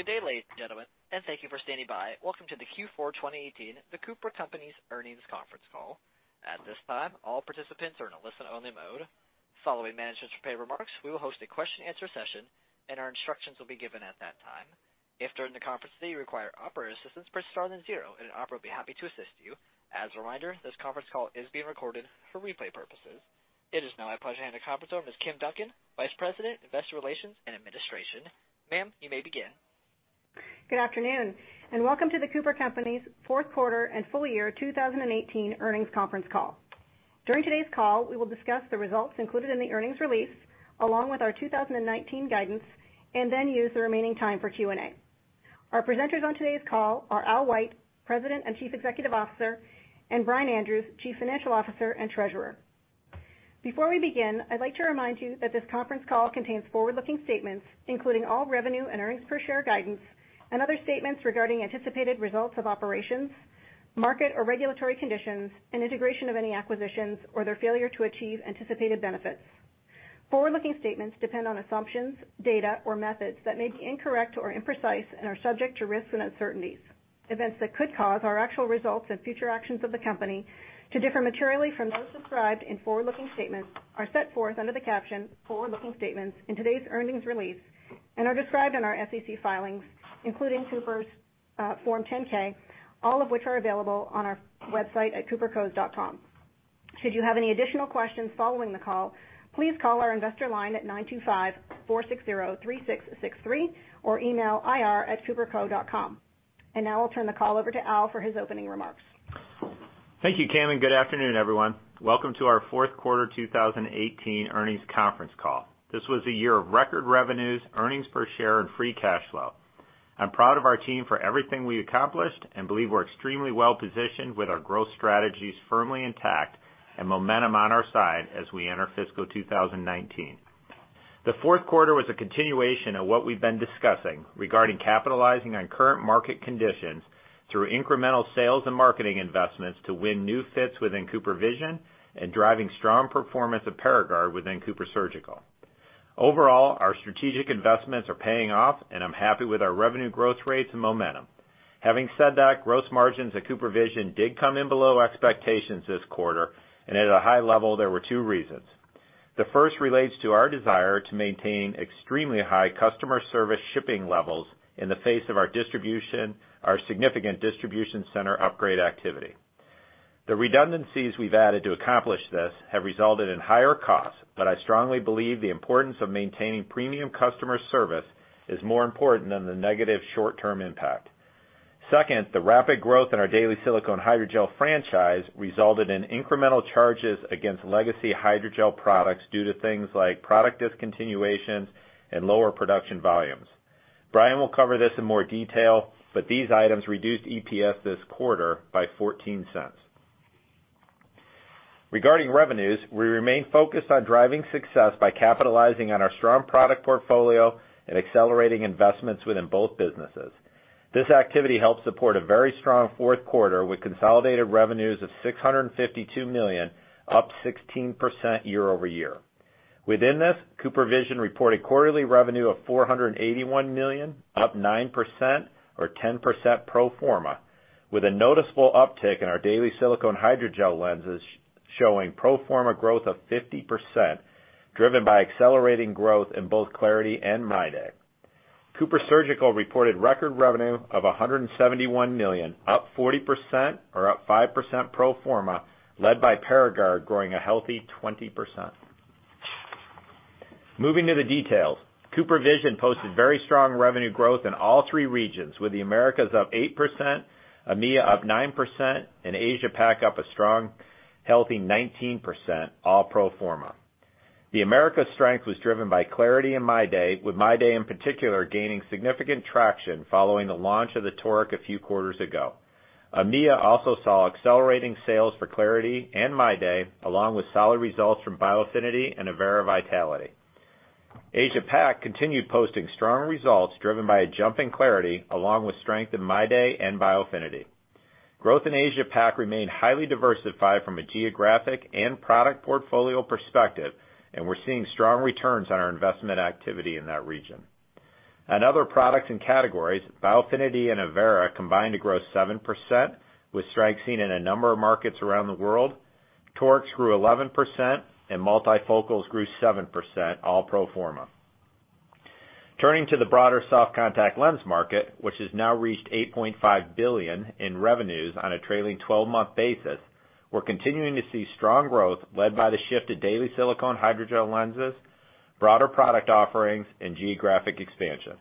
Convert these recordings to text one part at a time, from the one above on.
Good day, ladies and gentlemen, and thank you for standing by. Welcome to the Q4 2018, The Cooper Companies Earnings Conference Call. At this time, all participants are in a listen only mode. Following management's prepared remarks, we will host a question answer session, and our instructions will be given at that time. If during the conference today you require operator assistance, press star then zero, and an operator will be happy to assist you. As a reminder, this conference call is being recorded for replay purposes. It is now my pleasure to hand the conference over to Ms. Kim Duncan, Vice President, Investor Relations and Administration. Ma'am, you may begin. Good afternoon, and welcome to The Cooper Companies fourth quarter and full year 2018 earnings conference call. During today's call, we will discuss the results included in the earnings release, along with our 2019 guidance, and then use the remaining time for Q&A. Our presenters on today's call are Al White, President and Chief Executive Officer, and Brian Andrews, Chief Financial Officer and Treasurer. Before we begin, I'd like to remind you that this conference call contains forward-looking statements, including all revenue and earnings per share guidance and other statements regarding anticipated results of operations, market or regulatory conditions, and integration of any acquisitions or their failure to achieve anticipated benefits. Forward-looking statements depend on assumptions, data or methods that may be incorrect or imprecise and are subject to risks and uncertainties. Events that could cause our actual results and future actions of the company to differ materially from those described in forward-looking statements are set forth under the caption Forward-Looking Statements in today's earnings release and are described in our SEC filings, including Cooper's Form 10-K, all of which are available on our website at coopercos.com. Should you have any additional questions following the call, please call our investor line at 925-460-3663, or email ir@coopercos.com. I'll turn the call over to Al for his opening remarks. Thank you, Kim, and good afternoon, everyone. Welcome to our fourth quarter 2018 earnings conference call. This was a year of record revenues, earnings per share and free cash flow. I'm proud of our team for everything we accomplished and believe we're extremely well-positioned with our growth strategies firmly intact and momentum on our side as we enter fiscal 2019. The fourth quarter was a continuation of what we've been discussing regarding capitalizing on current market conditions through incremental sales and marketing investments to win new fits within CooperVision and driving strong performance of Paragard within CooperSurgical. Overall, our strategic investments are paying off, and I'm happy with our revenue growth rates and momentum. Having said that, gross margins at CooperVision did come in below expectations this quarter, and at a high level, there were two reasons. The first relates to our desire to maintain extremely high customer service shipping levels in the face of our significant distribution center upgrade activity. The redundancies we've added to accomplish this have resulted in higher costs, but I strongly believe the importance of maintaining premium customer service is more important than the negative short-term impact. Second, the rapid growth in our daily silicone hydrogel franchise resulted in incremental charges against legacy hydrogel products due to things like product discontinuations and lower production volumes. Brian will cover this in more detail, but these items reduced EPS this quarter by $0.14. Regarding revenues, we remain focused on driving success by capitalizing on our strong product portfolio and accelerating investments within both businesses. This activity helped support a very strong fourth quarter with consolidated revenues of $652 million, up 16% year-over-year. Within this, CooperVision reported quarterly revenue of $481 million, up 9% or 10% pro forma, with a noticeable uptick in our daily silicone hydrogel lenses showing pro forma growth of 50%, driven by accelerating growth in both clariti and MyDay. CooperSurgical reported record revenue of $171 million, up 40%, or up 5% pro forma, led by Paragard growing a healthy 20%. Moving to the details, CooperVision posted very strong revenue growth in all three regions, with the Americas up 8%, EMEA up 9%, and Asia Pac up a strong, healthy 19%, all pro forma. The Americas strength was driven by clariti and MyDay, with MyDay in particular gaining significant traction following the launch of the Toric a few quarters ago. EMEA also saw accelerating sales for clariti and MyDay, along with solid results from Biofinity and Avaira Vitality. Asia Pac continued posting strong results driven by a jump in clariti, along with strength in MyDay and Biofinity. Growth in Asia Pac remained highly diversified from a geographic and product portfolio perspective, and we're seeing strong returns on our investment activity in that region. In other products and categories, Biofinity and Avaira combined to grow 7%, with strength seen in a number of markets around the world. Torics grew 11%, and multifocals grew 7%, all pro forma. Turning to the broader soft contact lens market, which has now reached $8.5 billion in revenues on a trailing 12-month basis, we're continuing to see strong growth led by the shift to daily silicone hydrogel lenses, broader product offerings and geographic expansion.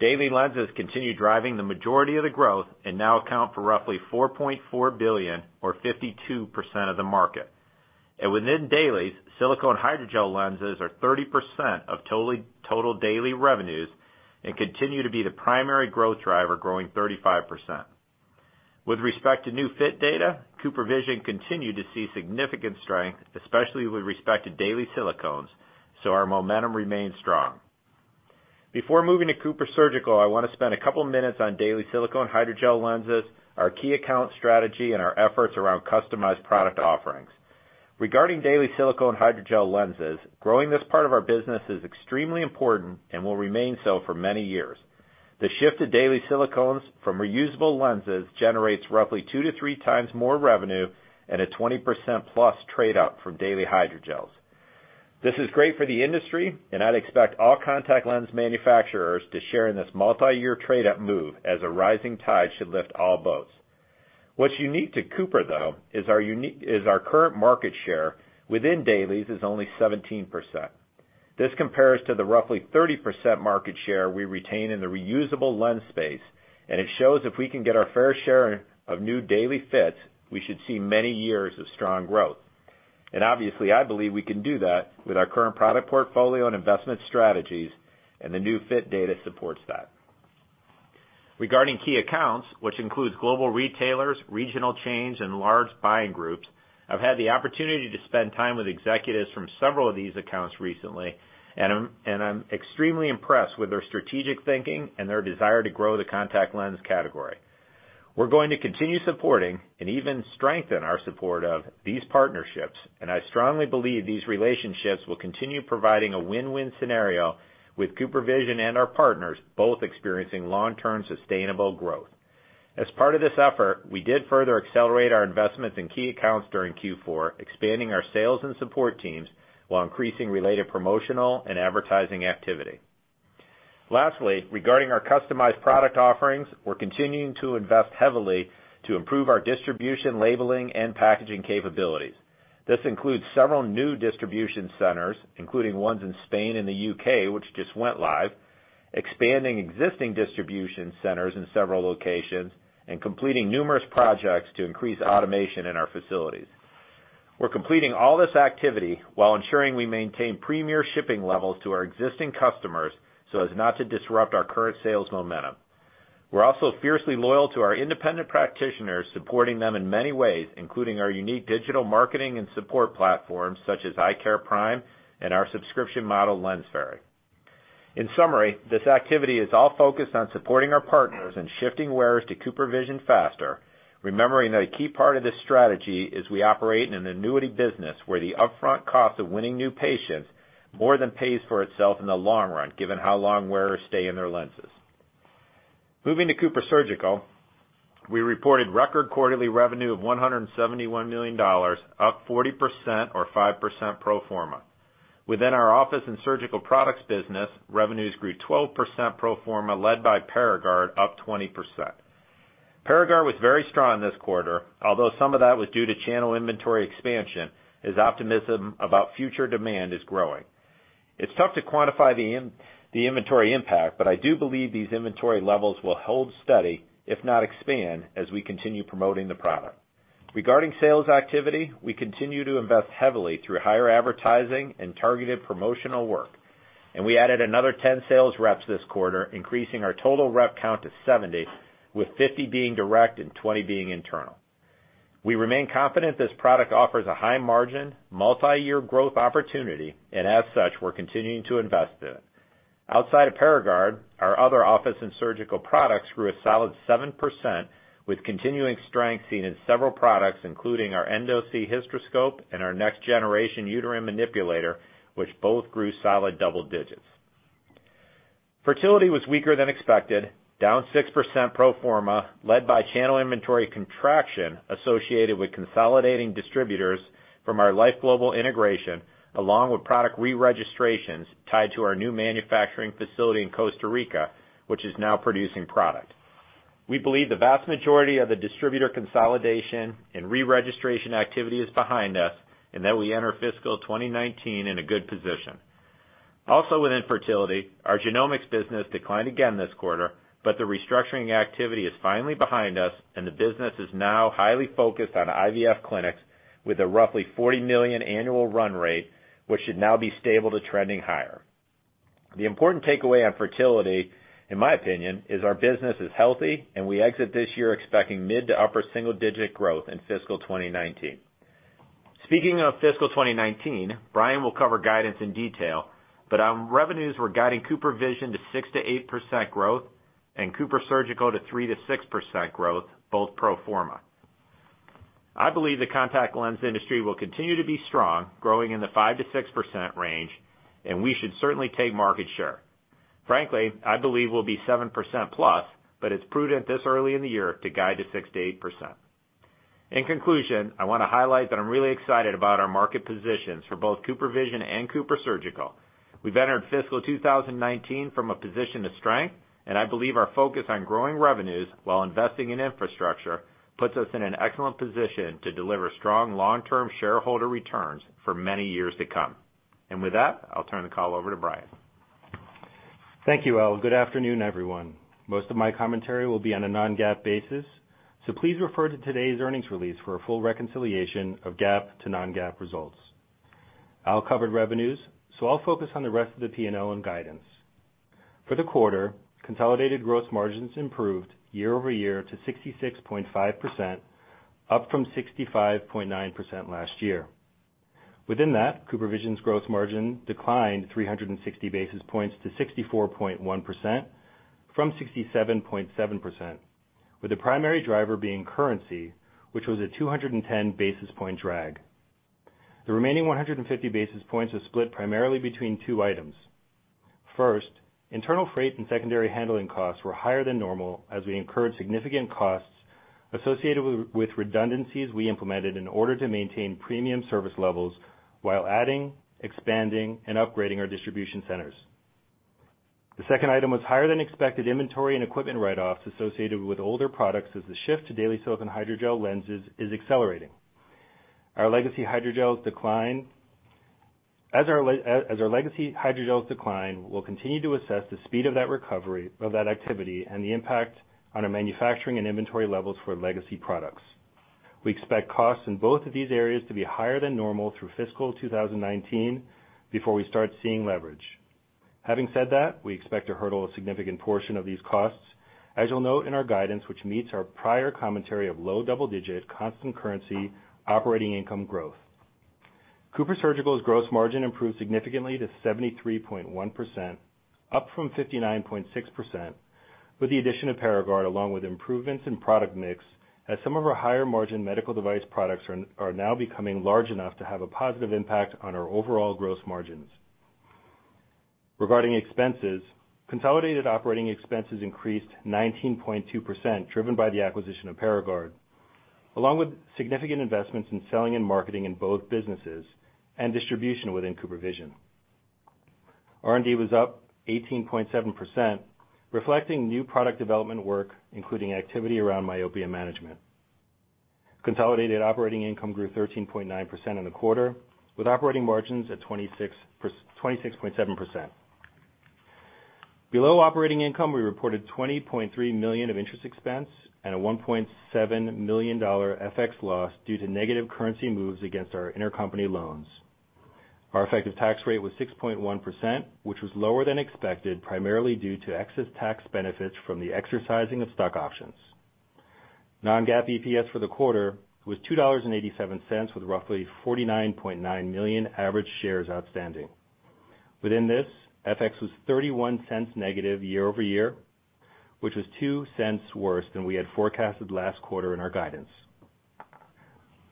Daily lenses continue driving the majority of the growth and now account for roughly $4.4 billion or 52% of the market. Within dailies, silicone hydrogel lenses are 30% of total daily revenues and continue to be the primary growth driver, growing 35%. With respect to new fit data, CooperVision continued to see significant strength, especially with respect to daily silicones, Our momentum remains strong. Before moving to CooperSurgical, I want to spend a couple minutes on daily silicone hydrogel lenses, our key account strategy, and our efforts around customized product offerings. Regarding daily silicone hydrogel lenses, growing this part of our business is extremely important and will remain so for many years. The shift to daily silicones from reusable lenses generates roughly two to three times more revenue and a 20%+ trade-up from daily hydrogels. This is great for the industry, and I'd expect all contact lens manufacturers to share in this multi-year trade-up move, as a rising tide should lift all boats. What's unique to Cooper, though, is our current market share within dailies is only 17%. This compares to the roughly 30% market share we retain in the reusable lens space, it shows if we can get our fair share of new daily fits, we should see many years of strong growth. Obviously, I believe we can do that with our current product portfolio and investment strategies, the new fit data supports that. Regarding key accounts, which includes global retailers, regional chains, and large buying groups, I've had the opportunity to spend time with executives from several of these accounts recently, and I'm extremely impressed with their strategic thinking and their desire to grow the contact lens category. We're going to continue supporting and even strengthen our support of these partnerships, I strongly believe these relationships will continue providing a win-win scenario with CooperVision and our partners both experiencing long-term sustainable growth. As part of this effort, we did further accelerate our investments in key accounts during Q4, expanding our sales and support teams while increasing related promotional and advertising activity. Lastly, regarding our customized product offerings, we're continuing to invest heavily to improve our distribution, labeling, and packaging capabilities. This includes several new distribution centers, including ones in Spain and the U.K., which just went live, expanding existing distribution centers in several locations, and completing numerous projects to increase automation in our facilities. We're completing all this activity while ensuring we maintain premier shipping levels to our existing customers so as not to disrupt our current sales momentum. We're also fiercely loyal to our independent practitioners, supporting them in many ways, including our unique digital marketing and support platforms such as EyeCare Prime and our subscription model, LensFerry. In summary, this activity is all focused on supporting our partners and shifting wearers to CooperVision faster, remembering that a key part of this strategy is we operate in an annuity business where the upfront cost of winning new patients more than pays for itself in the long run, given how long wearers stay in their lenses. Moving to CooperSurgical, we reported record quarterly revenue of $171 million, up 40% or 5% pro forma. Within our office and surgical products business, revenues grew 12% pro forma led by Paragard up 20%. Paragard was very strong this quarter, although some of that was due to channel inventory expansion, as optimism about future demand is growing. It's tough to quantify the inventory impact, I do believe these inventory levels will hold steady, if not expand, as we continue promoting the product. Regarding sales activity, we continue to invest heavily through higher advertising and targeted promotional work, we added another 10 sales reps this quarter, increasing our total rep count to 70, with 50 being direct and 20 being internal. We remain confident this product offers a high margin, multi-year growth opportunity, as such, we're continuing to invest in it. Outside of Paragard, our other office and surgical products grew a solid 7% with continuing strength seen in several products, including our Endosee hysteroscope and our next generation uterine manipulator, which both grew solid double digits. Fertility was weaker than expected, down 6% pro forma, led by channel inventory contraction associated with consolidating distributors from our LifeGlobal integration, along with product re-registrations tied to our new manufacturing facility in Costa Rica, which is now producing product. We believe the vast majority of the distributor consolidation and re-registration activity is behind us and that we enter fiscal 2019 in a good position. Also within fertility, our genomics business declined again this quarter, but the restructuring activity is finally behind us, and the business is now highly focused on IVF clinics with a roughly $40 million annual run rate, which should now be stable to trending higher. The important takeaway on fertility, in my opinion, is our business is healthy, and we exit this year expecting mid to upper single digit growth in fiscal 2019. Speaking of fiscal 2019, Brian will cover guidance in detail, but on revenues, we're guiding CooperVision to 6%-8% growth and CooperSurgical to 3%-6% growth, both pro forma. I believe the contact lens industry will continue to be strong, growing in the 5%-6% range, and we should certainly take market share. Frankly, I believe we'll be 7%+, but it's prudent this early in the year to guide to 6%-8%. In conclusion, I want to highlight that I'm really excited about our market positions for both CooperVision and CooperSurgical. We've entered fiscal 2019 from a position of strength, and I believe our focus on growing revenues while investing in infrastructure puts us in an excellent position to deliver strong long-term shareholder returns for many years to come. With that, I'll turn the call over to Brian. Thank you, Al. Good afternoon, everyone. Most of my commentary will be on a non-GAAP basis, so please refer to today's earnings release for a full reconciliation of GAAP to non-GAAP results. Al covered revenues, so I'll focus on the rest of the P&L and guidance. For the quarter, consolidated gross margins improved year-over-year to 66.5%, up from 65.9% last year. Within that, CooperVision's gross margin declined 360 basis points to 64.1% from 67.7%, with the primary driver being currency, which was a 210 basis point drag. The remaining 150 basis points is split primarily between two items. First, internal freight and secondary handling costs were higher than normal as we incurred significant costs associated with redundancies we implemented in order to maintain premium service levels while adding, expanding, and upgrading our distribution centers. The second item was higher than expected inventory and equipment write-offs associated with older products, as the shift to daily silicone hydrogel lenses is accelerating. As our legacy hydrogels decline, we'll continue to assess the speed of that activity and the impact on our manufacturing and inventory levels for legacy products. We expect costs in both of these areas to be higher than normal through fiscal 2019 before we start seeing leverage. Having said that, we expect to hurdle a significant portion of these costs, as you'll note in our guidance, which meets our prior commentary of low double-digit constant currency operating income growth. CooperSurgical's gross margin improved significantly to 73.1%, up from 59.6%, with the addition of Paragard, along with improvements in product mix, as some of our higher margin medical device products are now becoming large enough to have a positive impact on our overall gross margins. Regarding expenses, consolidated operating expenses increased 19.2%, driven by the acquisition of Paragard, along with significant investments in selling and marketing in both businesses and distribution within CooperVision. R&D was up 18.7%, reflecting new product development work, including activity around myopia management. Consolidated operating income grew 13.9% in the quarter, with operating margins at 26.7%. Below operating income, we reported $20.3 million of interest expense and a $1.7 million FX loss due to negative currency moves against our intercompany loans. Our effective tax rate was 6.1%, which was lower than expected, primarily due to excess tax benefits from the exercising of stock options. Non-GAAP EPS for the quarter was $2.87, with roughly 49.9 million average shares outstanding. Within this, FX was $0.31 negative year-over-year, which was $0.02 worse than we had forecasted last quarter in our guidance.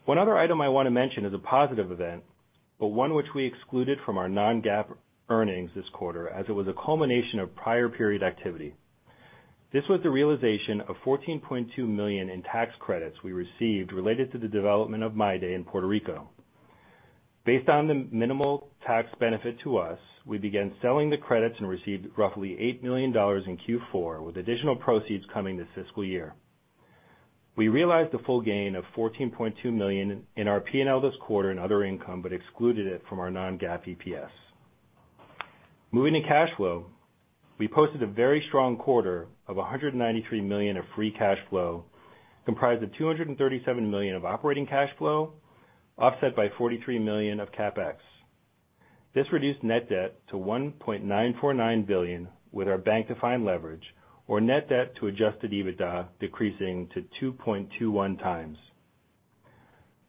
One other item I want to mention is a positive event, but one which I excluded from our non-GAAP earnings this quarter as it was a culmination of prior period activity. This was the realization of $14.2 million in tax credits we received, related to the development of MyDay in Puerto Rico. Based on the minimal tax benefit to us, we began selling the credits and received roughly $8 million in Q4, with additional proceeds coming this fiscal year. We realized the full gain of $14.2 million in our P&L this quarter in other income, but excluded it from our non-GAAP EPS. Moving to cash flow, we posted a very strong quarter of $193 million of free cash flow, comprised of $237 million of operating cash flow, offset by $43 million of CapEx. This reduced net debt to $1.949 billion, with our bank-defined leverage or net debt to adjusted EBITDA decreasing to 2.21 times.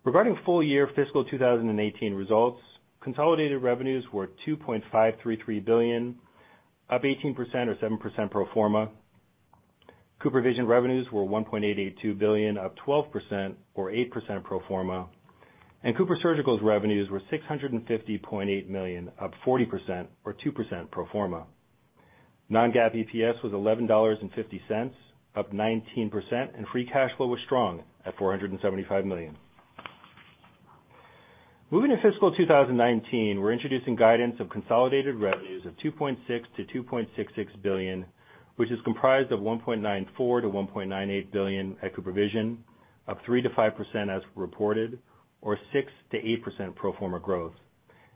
Regarding full year fiscal 2018 results, consolidated revenues were $2.533 billion, up 18% or 7% pro forma. CooperVision revenues were $1.882 billion, up 12% or 8% pro forma, and CooperSurgical's revenues were $650.8 million, up 40% or 2% pro forma. Non-GAAP EPS was $11.50, up 19%, and free cash flow was strong at $475 million. Moving to fiscal 2019, we're introducing guidance of consolidated revenues of $2.6 billion-$2.66 billion, which is comprised of $1.94 billion-$1.98 billion at CooperVision, up 3%-5% as reported, or 6%-8% pro forma growth,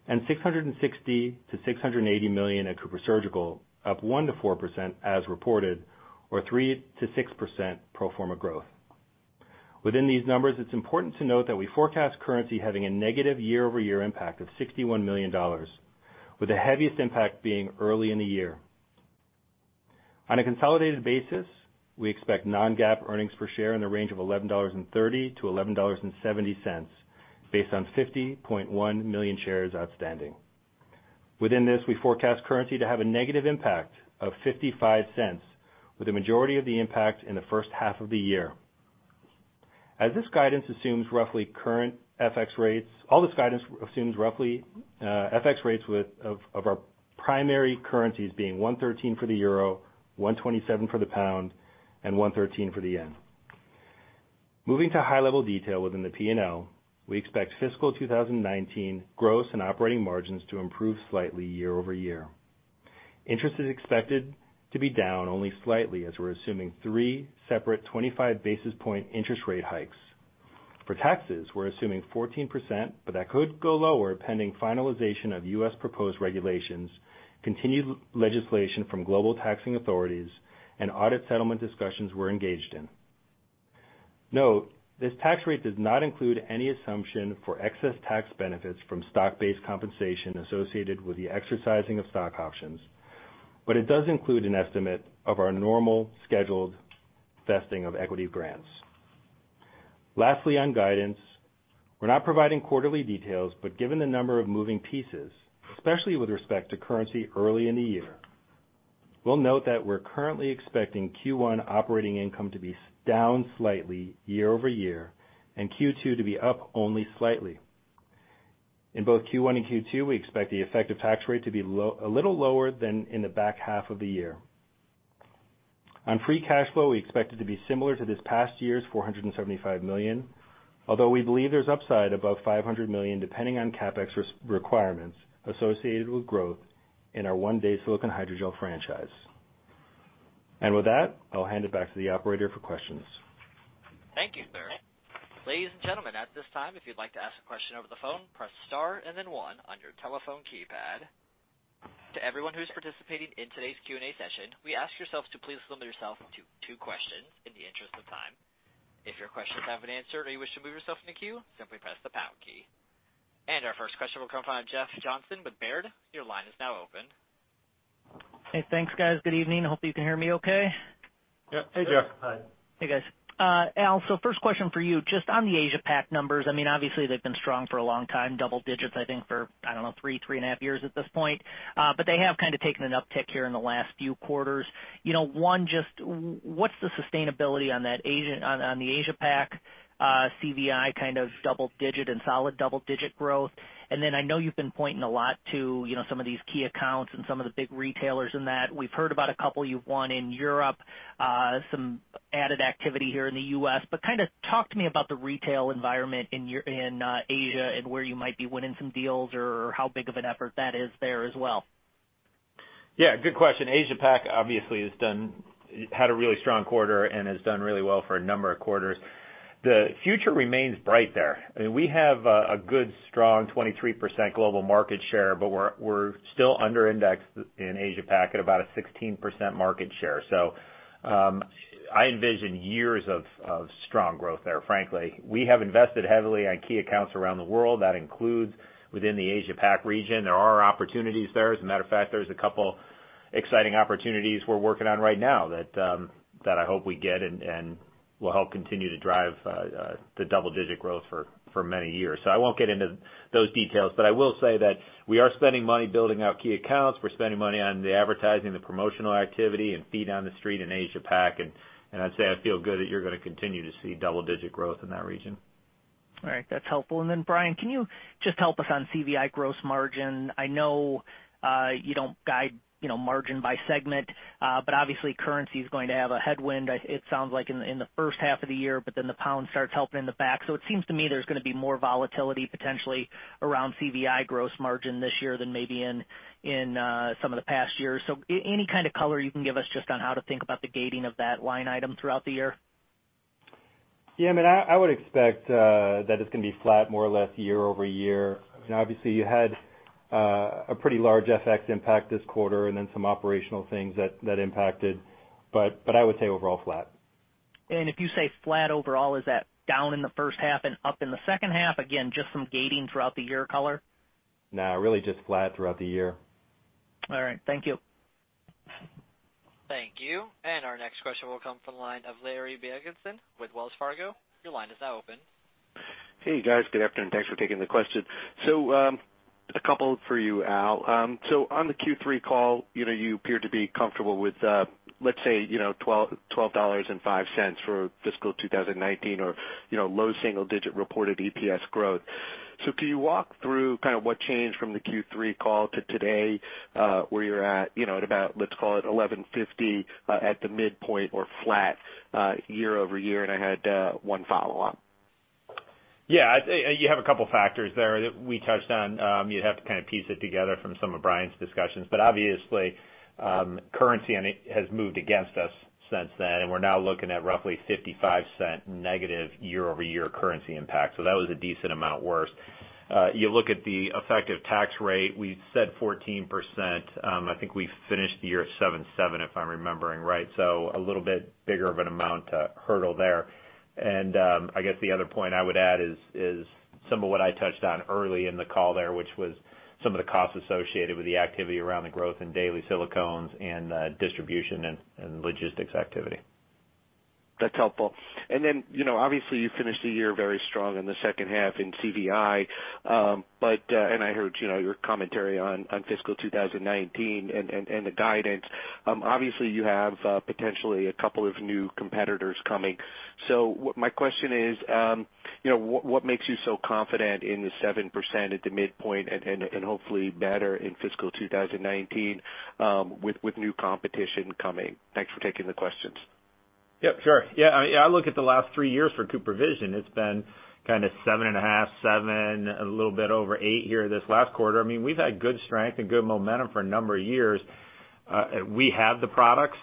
and $660 million-$680 million at CooperSurgical, up 1%-4% as reported, or 3%-6% pro forma growth. Within these numbers, it's important to note that we forecast currency having a negative year-over-year impact of $61 million, with the heaviest impact being early in the year. On a consolidated basis, we expect non-GAAP earnings per share in the range of $11.30-$11.70, based on 50.1 million shares outstanding. Within this, we forecast currency to have a negative impact of $0.55, with a majority of the impact in the first half of the year. All this guidance assumes roughly FX rates of our primary currencies being 1.13 euro, GBP 1.27, and JPY 1.13. Moving to high level detail within the P&L, we expect fiscal 2019 gross and operating margins to improve slightly year-over-year. Interest is expected to be down only slightly as we're assuming three separate 25 basis point interest rate hikes. For taxes, we're assuming 14%, but that could go lower pending finalization of U.S. proposed regulations, continued legislation from global taxing authorities, and audit settlement discussions we're engaged in. Note, this tax rate does not include any assumption for excess tax benefits from stock-based compensation associated with the exercising of stock options, but it does include an estimate of our normal scheduled vesting of equity grants. Lastly, on guidance, we're not providing quarterly details, but given the number of moving pieces, especially with respect to currency early in the year, we'll note that we're currently expecting Q1 operating income to be down slightly year-over-year and Q2 to be up only slightly. In both Q1 and Q2, we expect the effective tax rate to be a little lower than in the back half of the year. On free cash flow, we expect it to be similar to this past year's $475 million, although we believe there's upside above $500 million depending on CapEx requirements associated with growth in our one-day silicone hydrogel franchise. With that, I'll hand it back to the operator for questions. Thank you, sir. Ladies and gentlemen, at this time, if you'd like to ask a question over the phone, press star and then one on your telephone keypad. To everyone who's participating in today's Q&A session, we ask yourselves to please limit yourself to two questions in the interest of time. If your questions have been answered or you wish to move yourself in the queue, simply press the pound key. Our first question will come from Jeff Johnson with Baird. Your line is now open. Hey, thanks, guys. Good evening. Hope you can hear me okay. Yep. Hey, Jeff. Hi. Hey, guys. Al, first question for you, just on the Asia Pac numbers. Obviously, they've been strong for a long time, double-digits, I think for, I don't know, three and a half years at this point. They have kind of taken an uptick here in the last few quarters. One, just what's the sustainability on the Asia Pac CVI kind of double-digit and solid double-digit growth? I know you've been pointing a lot to some of these key accounts and some of the big retailers in that. We've heard about a couple you've won in Europe, some added activity here in the U.S. Talk to me about the retail environment in Asia and where you might be winning some deals or how big of an effort that is there as well. Yeah, good question. Asia Pac obviously had a really strong quarter and has done really well for a number of quarters. The future remains bright there. We have a good, strong 23% global market share, but we're still under-indexed in Asia Pac at about a 16% market share. I envision years of strong growth there, frankly. We have invested heavily on key accounts around the world. That includes within the Asia Pac region. There are opportunities there. As a matter of fact, there's a couple exciting opportunities we're working on right now that I hope we get and will help continue to drive the double-digit growth for many years. I won't get into those details, but I will say that we are spending money building out key accounts. We're spending money on the advertising, the promotional activity and feet on the street in Asia Pac, I'd say I feel good that you're going to continue to see double-digit growth in that region. All right. That's helpful. Brian, can you just help us on CooperVision gross margin? I know you don't guide margin by segment. Obviously currency is going to have a headwind, it sounds like in the first half of the year, then the pound starts helping in the back. It seems to me there's going to be more volatility potentially around CooperVision gross margin this year than maybe in some of the past years. Any kind of color you can give us just on how to think about the gating of that line item throughout the year? Yeah, I would expect that it's going to be flat more or less year-over-year. Obviously, you had a pretty large FX impact this quarter and then some operational things that impacted. I would say overall flat. If you say flat overall, is that down in the first half and up in the second half? Again, just some gating throughout the year color. No, really just flat throughout the year. All right. Thank you. Thank you. Our next question will come from the line of Larry Biegelsen with Wells Fargo. Your line is now open. Hey, guys. Good afternoon. Thanks for taking the question. A couple for you, Al. On the Q3 call, you appeared to be comfortable with, let's say, $12.05 for fiscal 2019 or low single digit reported EPS growth. Can you walk through kind of what changed from the Q3 call to today, where you're at about, let's call it $11.50 at the midpoint or flat year-over-year? I had one follow-up. Yeah. You have a couple factors there that we touched on. You'd have to kind of piece it together from some of Brian's discussions. Obviously, currency has moved against us since then, and we're now looking at roughly $0.55 negative year-over-year currency impact. That was a decent amount worse. You look at the effective tax rate, we said 14%. I think we finished the year at 7.7%, if I'm remembering right. A little bit bigger of an amount hurdle there. I guess the other point I would add is some of what I touched on early in the call there, which was some of the costs associated with the activity around the growth in daily silicones and distribution and logistics activity. That's helpful. Obviously, you finished the year very strong in the second half in CVI. I heard your commentary on FY 2019 and the guidance. Obviously, you have potentially a couple of new competitors coming. My question is, what makes you so confident in the 7% at the midpoint and hopefully better in FY 2019, with new competition coming? Thanks for taking the questions. Yep, sure. I look at the last three years for CooperVision, it's been kind of seven and a half, seven, a little bit over eight here this last quarter. We've had good strength and good momentum for a number of years. We have the products.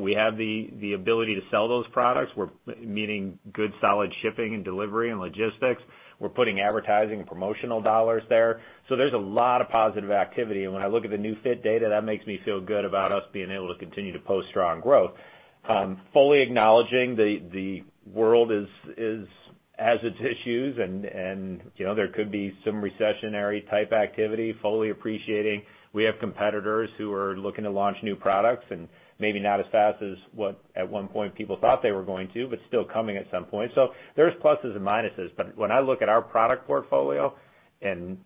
We have the ability to sell those products. We're meeting good solid shipping and delivery and logistics. We're putting advertising and promotional dollars there. There's a lot of positive activity. When I look at the New Fit data, that makes me feel good about us being able to continue to post strong growth. Fully acknowledging the world has its issues, and there could be some recessionary type activity, fully appreciating we have competitors who are looking to launch new products, and maybe not as fast as what at one point people thought they were going to, but still coming at some point. There's pluses and minuses, when I look at our product portfolio and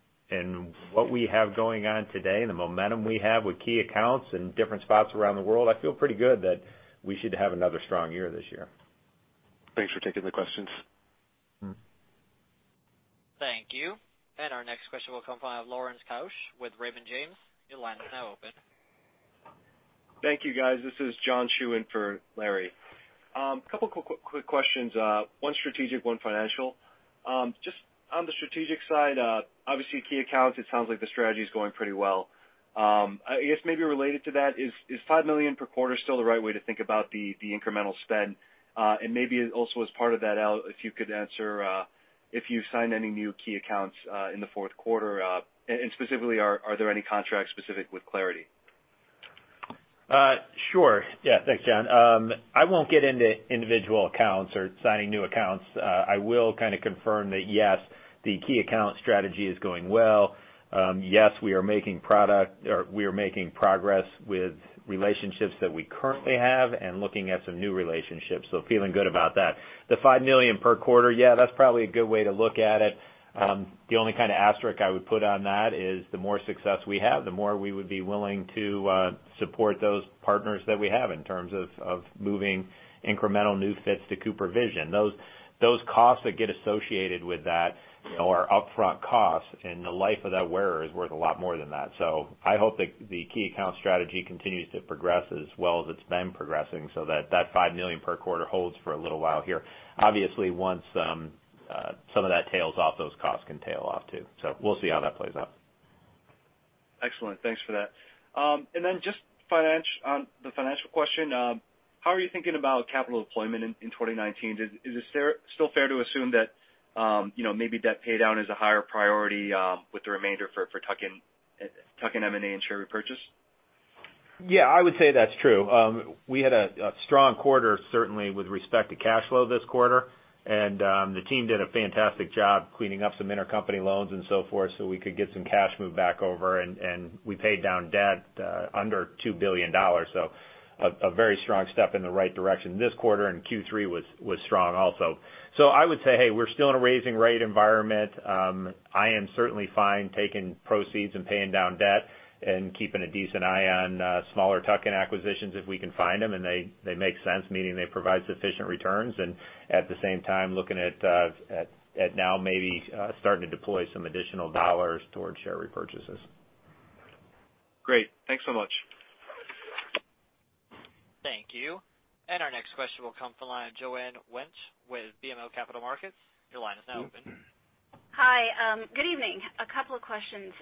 what we have going on today and the momentum we have with key accounts in different spots around the world, I feel pretty good that we should have another strong year this year. Thanks for taking the questions. Thank you. Our next question will come from Lawrence Keusch with Raymond James. Your line is now open. Thank you, guys. This is John Shewan for Larry. Couple quick questions. One strategic, one financial. Just on the strategic side, obviously key accounts, it sounds like the strategy's going pretty well. I guess maybe related to that, is $5 million per quarter still the right way to think about the incremental spend? Maybe also as part of that, Al, if you could answer, if you signed any new key accounts in the fourth quarter, and specifically, are there any contracts specific with clariti? Sure. Yeah. Thanks, John. I won't get into individual accounts or signing new accounts. I will kind of confirm that yes, the key account strategy is going well. Yes, we are making progress with relationships that we currently have and looking at some new relationships, so feeling good about that. The $5 million per quarter, yeah, that's probably a good way to look at it. The only kind of asterisk I would put on that is the more success we have, the more we would be willing to support those partners that we have in terms of moving incremental new fits to CooperVision. Those costs that get associated with that are upfront costs, and the life of that wearer is worth a lot more than that. I hope that the key account strategy continues to progress as well as it's been progressing, so that that $5 million per quarter holds for a little while here. Obviously, once some of that tails off, those costs can tail off, too. We'll see how that plays out. Excellent. Thanks for that. Then just the financial question. How are you thinking about capital deployment in 2019? Is it still fair to assume that maybe debt paydown is a higher priority with the remainder for tuck-in M&A and share repurchase? Yeah, I would say that's true. We had a strong quarter, certainly with respect to cash flow this quarter, the team did a fantastic job cleaning up some intercompany loans and so forth so we could get some cash moved back over. We paid down debt under $2 billion, a very strong step in the right direction this quarter. Q3 was strong also. I would say, hey, we're still in a raising rate environment. I am certainly fine taking proceeds and paying down debt and keeping a decent eye on smaller tuck-in acquisitions if we can find them and they make sense, meaning they provide sufficient returns, and at the same time, looking at now maybe starting to deploy some additional dollars towards share repurchases. Great. Thanks so much. Thank you. Our next question will come from the line of Joanne Wuensch with BMO Capital Markets. Your line is now open. Hi. Good evening. A couple of questions.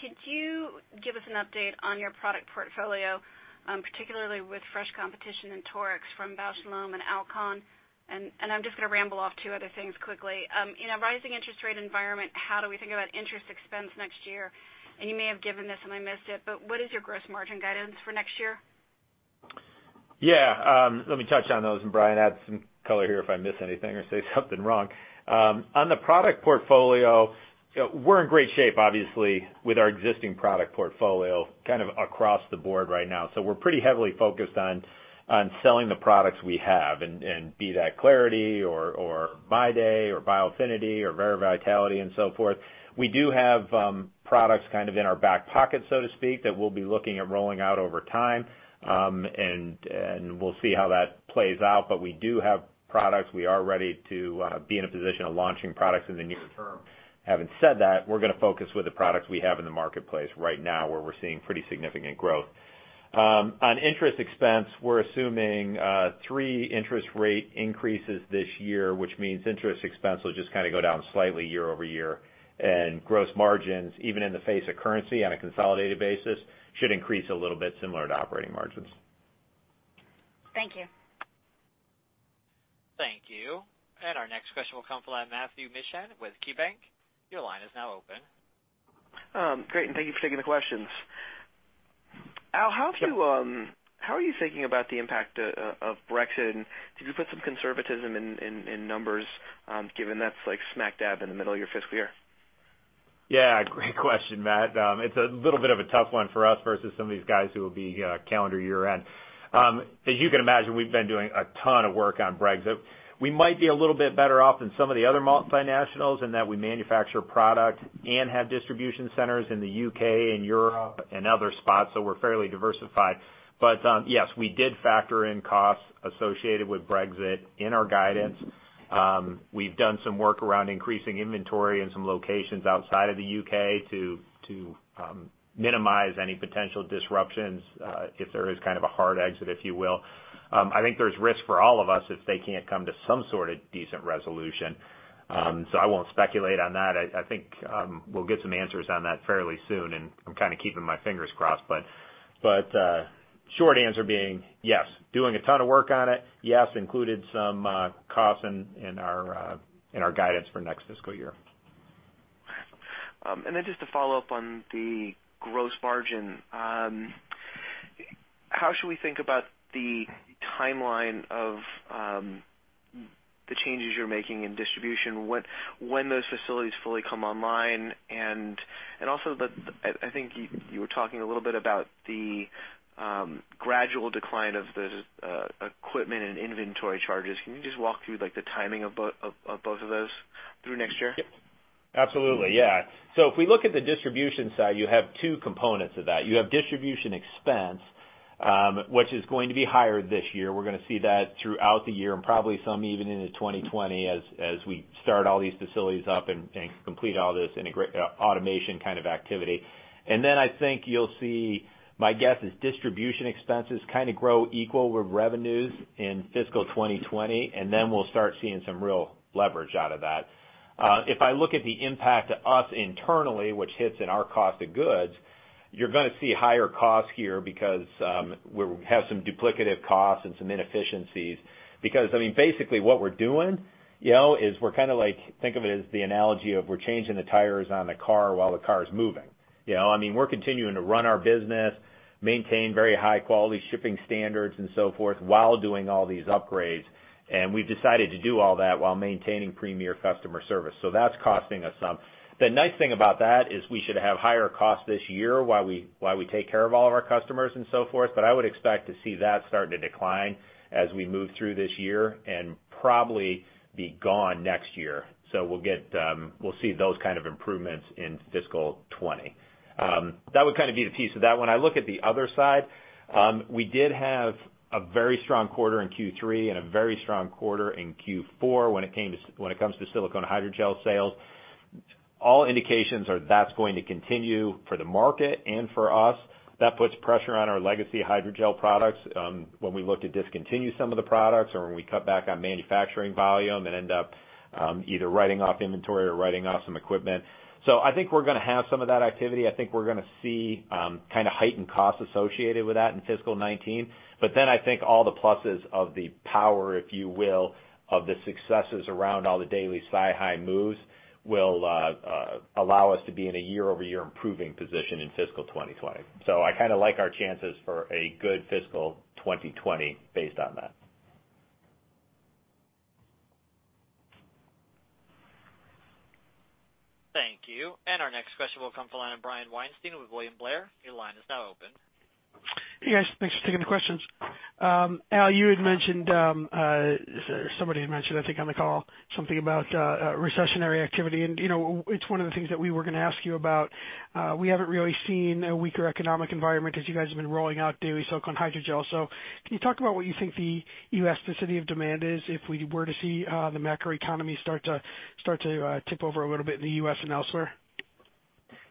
Could you give us an update on your product portfolio, particularly with fresh competition in torics from Bausch + Lomb and Alcon? I'm just going to ramble off two other things quickly. In a rising interest rate environment, how do we think about interest expense next year? You may have given this and I missed it, but what is your gross margin guidance for next year? Yeah. Let me touch on those, Brian, add some color here if I miss anything or say something wrong. On the product portfolio, we're in great shape, obviously, with our existing product portfolio kind of across the board right now. We're pretty heavily focused on selling the products we have, be that clariti or MyDay or Biofinity or Avaira Vitality and so forth. We do have products kind of in our back pocket, so to speak, that we'll be looking at rolling out over time, and we'll see how that plays out. We do have products. We are ready to be in a position of launching products in the near term. Having said that, we're going to focus with the products we have in the marketplace right now, where we're seeing pretty significant growth. On interest expense, we're assuming three interest rate increases this year, which means interest expense will just kind of go down slightly year-over-year. Gross margins, even in the face of currency on a consolidated basis, should increase a little bit similar to operating margins. Thank you. Thank you. Our next question will come from the line of Matthew Mishan with KeyBank. Your line is now open. Great, thank you for taking the questions. Sure how are you thinking about the impact of Brexit, did you put some conservatism in numbers, given that's like smack dab in the middle of your fiscal year? Yeah. Great question, Matt. It's a little bit of a tough one for us versus some of these guys who will be calendar year-end. As you can imagine, we've been doing a ton of work on Brexit. We might be a little bit better off than some of the other multinationals in that we manufacture product and have distribution centers in the U.K. and Europe and other spots, so we're fairly diversified. Yes, we did factor in costs associated with Brexit in our guidance. We've done some work around increasing inventory in some locations outside of the U.K. to minimize any potential disruptions, if there is kind of a hard exit, if you will. I think there's risk for all of us if they can't come to some sort of decent resolution. I won't speculate on that. I think we'll get some answers on that fairly soon, and I'm kind of keeping my fingers crossed, but short answer being yes, doing a ton of work on it. Yes, included some costs in our guidance for next fiscal year. Just to follow up on the gross margin, how should we think about the timeline of the changes you're making in distribution, when those facilities fully come online, and also, I think you were talking a little bit about the gradual decline of the equipment and inventory charges. Can you just walk through the timing of both of those through next year? Absolutely. Yeah. If we look at the distribution side, you have two components of that. You have distribution expense, which is going to be higher this year. We're going to see that throughout the year and probably some even into 2020 as we start all these facilities up and complete all this automation kind of activity. I think you'll see, my guess is distribution expenses kind of grow equal with revenues in fiscal 2020, and then we'll start seeing some real leverage out of that. If I look at the impact to us internally, which hits in our cost of goods, you're going to see higher costs here because we have some duplicative costs and some inefficiencies. Basically what we're doing is we're kind of like, think of it as the analogy of we're changing the tires on the car while the car is moving. We're continuing to run our business, maintain very high-quality shipping standards and so forth, while doing all these upgrades. We've decided to do all that while maintaining premier customer service. That's costing us some. The nice thing about that is we should have higher costs this year while we take care of all of our customers and so forth. I would expect to see that start to decline as we move through this year and probably be gone next year. We'll see those kind of improvements in fiscal 20. That would kind of be the piece of that one. I look at the other side, we did have a very strong quarter in Q3 and a very strong quarter in Q4 when it comes to silicone hydrogel sales. All indications are that's going to continue for the market and for us. That puts pressure on our legacy hydrogel products when we look to discontinue some of the products or when we cut back on manufacturing volume and end up either writing off inventory or writing off some equipment. I think we're going to have some of that activity. I think we're going to see heightened costs associated with that in fiscal 2019. I think all the pluses of the power, if you will, of the successes around all the daily SiHy moves will allow us to be in a year-over-year improving position in fiscal 2020. I kind of like our chances for a good fiscal 2020 based on that. Thank you. Our next question will come from the line of Brian Weinstein with William Blair. Your line is now open. Hey, guys. Thanks for taking the questions. Al, you had mentioned, somebody had mentioned, I think on the call, something about recessionary activity, and it's one of the things that we were going to ask you about. We haven't really seen a weaker economic environment as you guys have been rolling out daily silicone hydrogel. Can you talk about what you think the U.S. vis a vis of demand is if we were to see the macro economy start to tip over a little bit in the U.S. and elsewhere?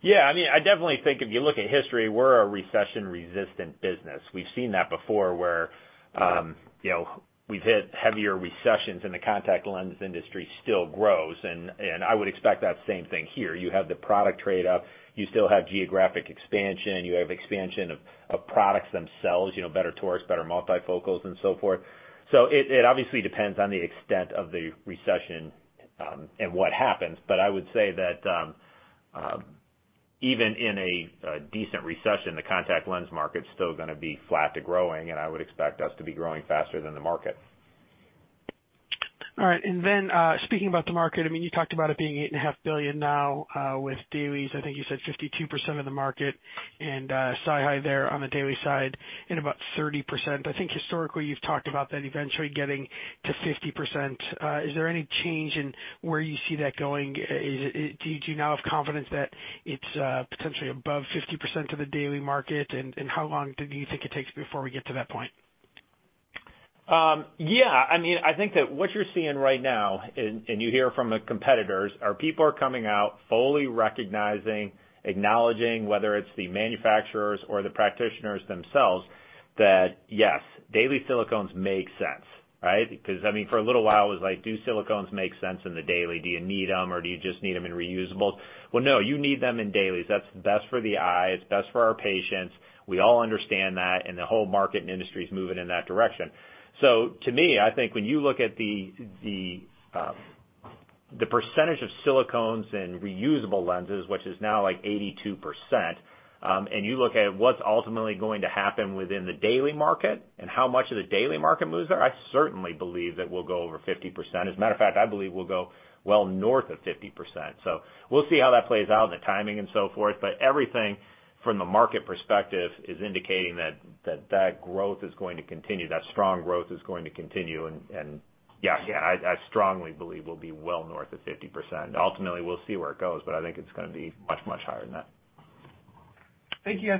I definitely think if you look at history, we're a recession-resistant business. We've seen that before where we've hit heavier recessions, and the contact lens industry still grows, and I would expect that same thing here. You have the product trade up. You still have geographic expansion. You have expansion of products themselves, better torics, better multifocals, and so forth. It obviously depends on the extent of the recession, and what happens. I would say that even in a decent recession, the contact lens market's still going to be flat to growing, and I would expect us to be growing faster than the market. All right. Speaking about the market, you talked about it being $8.5 billion now with dailies. I think you said 52% of the market and SiHy there on the daily side in about 30%. I think historically you've talked about that eventually getting to 50%. Is there any change in where you see that going? Do you now have confidence that it's potentially above 50% of the daily market? How long do you think it takes before we get to that point? Yeah. I think that what you're seeing right now, you hear from the competitors, are people are coming out fully recognizing, acknowledging whether it's the manufacturers or the practitioners themselves, that yes, daily silicones make sense. Right? For a little while, it was like, do silicones make sense in the daily? Do you need them, or do you just need them in reusables? Well, no, you need them in dailies. That's best for the eye. It's best for our patients. We all understand that, the whole market and industry is moving in that direction. To me, I think when you look at the percentage of silicones and reusable lenses, which is now like 82%, you look at what's ultimately going to happen within the daily market and how much of the daily market moves there, I certainly believe that we'll go over 50%. As a matter of fact, I believe we'll go well north of 50%. We'll see how that plays out and the timing and so forth, everything from the market perspective is indicating that that growth is going to continue, that strong growth is going to continue, yeah. I strongly believe we'll be well north of 50%. Ultimately, we'll see where it goes, I think it's going to be much, much higher than that. Thank you.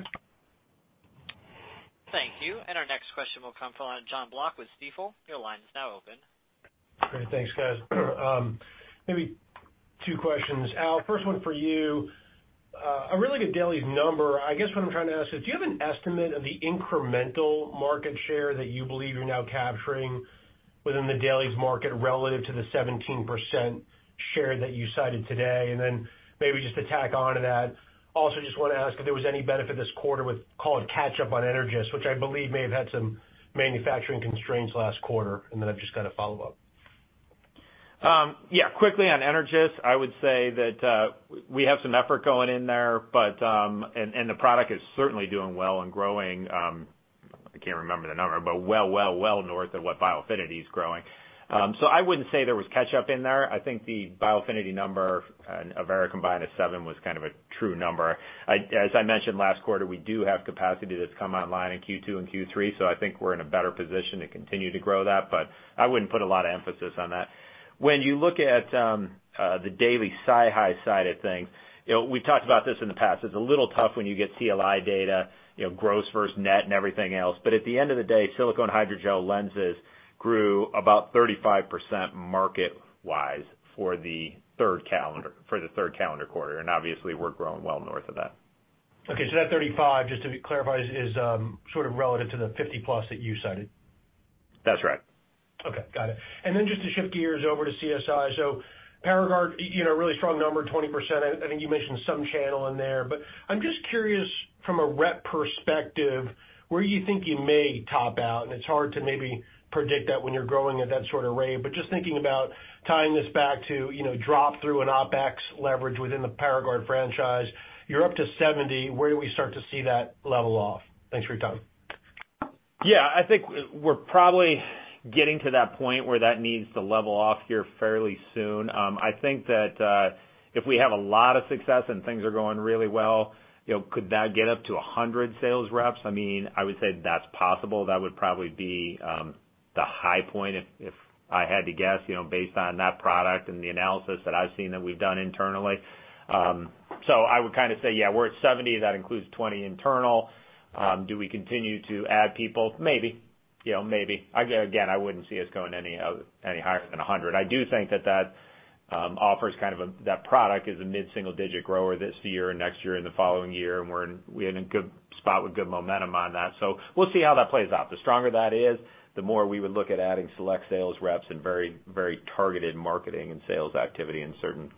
Thank you. Our next question will come from Jonathan Block with Stifel. Your line is now open. Great. Thanks, guys. Maybe two questions. Al, first one for you. A really good dailies number. I guess what I'm trying to ask is, do you have an estimate of the incremental market share that you believe you're now capturing within the dailies market relative to the 17% share that you cited today? Then maybe just to tack on to that, also just want to ask if there was any benefit this quarter with, call it catch up on Energys, which I believe may have had some manufacturing constraints last quarter, and then I've just got a follow-up. Yeah. Quickly on Energys, I would say that we have some effort going in there, and the product is certainly doing well and growing. I can't remember the number, but well north of what Biofinity is growing. I wouldn't say there was catch-up in there. I think the Biofinity number and Avaira combined at seven was kind of a true number. As I mentioned last quarter, we do have capacity that's come online in Q2 and Q3, so I think we're in a better position to continue to grow that, but I wouldn't put a lot of emphasis on that. When you look at the daily SiHy side of things, we've talked about this in the past, it's a little tough when you get CLI data, gross versus net and everything else. At the end of the day, silicone hydrogel lenses grew about 35% market-wise for the third calendar quarter, and obviously we're growing well north of that. Okay, that 35, just to clarify, is sort of relative to the 50 plus that you cited? That's right. Okay. Got it. Then just to shift gears over to CSI. Paragard, really strong number, 20%. I think you mentioned some channel in there, I'm just curious from a rep perspective, where you think you may top out, and it's hard to maybe predict that when you're growing at that sort of rate. Just thinking about tying this back to drop through and OpEx leverage within the Paragard franchise. You're up to 70. Where do we start to see that level off? Thanks for your time. Yeah, I think we're probably getting to that point where that needs to level off here fairly soon. I think that if we have a lot of success and things are going really well, could that get up to 100 sales reps? I would say that's possible. That would probably be the high point if I had to guess, based on that product and the analysis that I've seen that we've done internally. I would kind of say, yeah, we're at 70, that includes 20 internal. Do we continue to add people? Maybe. Again, I wouldn't see us going any higher than 100. I do think that that offers kind of that product is a mid-single-digit grower this year and next year and the following year, and we're in a good spot with good momentum on that. We'll see how that plays out. The stronger that is, the more we would look at adding select sales reps and very targeted marketing and sales activity in certain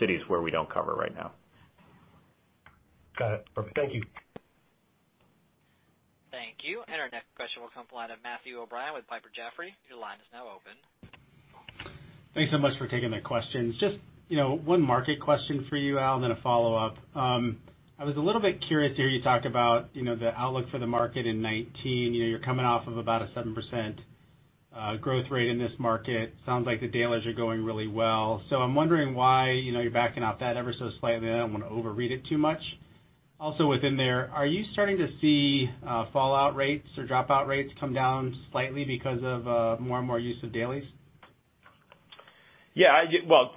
cities where we don't cover right now. Got it. Perfect. Thank you. Thank you. Our next question will come from the line of Matthew O'Brien with Piper Jaffray. Your line is now open. Thanks so much for taking the questions. Just one market question for you, Al, and then a follow-up. I was a little bit curious to hear you talk about the outlook for the market in 2019. You're coming off of about a 7% growth rate in this market. Sounds like the dailies are going really well. I'm wondering why you're backing off that ever so slightly. I don't want to overread it too much. Within there, are you starting to see fallout rates or dropout rates come down slightly because of more and more use of dailies?